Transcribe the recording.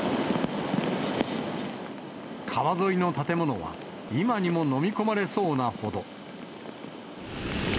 川沿いの建物は、今にも飲み込まれそうなほど。